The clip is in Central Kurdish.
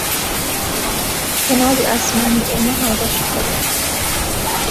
کەناڵی ئاسمانی ئێمە هاوبەش بکە